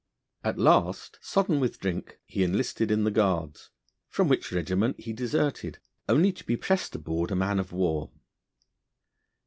At last, sodden with drink, he enlisted in the Guards, from which regiment he deserted, only to be pressed aboard a man of war.